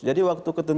jadi waktu ketentu itu